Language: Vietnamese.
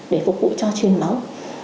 để phục vụ cho truyền máu